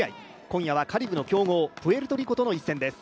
今夜はカリブの強豪・プエルトリコとの一戦です。